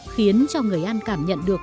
khiến cho người ăn cảm nhận được